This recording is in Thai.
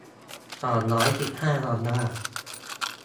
สองร้อยสิบห้า ดอลลาร์